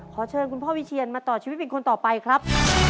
ขอเชิญคุณพ่อวิเชียนมาต่อชีวิตเป็นคนต่อไปครับ